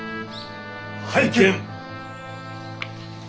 拝見！